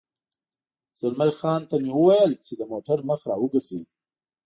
زلمی خان ته مې وویل چې د موټر مخ را وګرځوي.